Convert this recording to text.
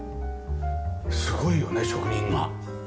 すごいよね職人が。